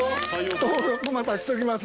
登録またしときます。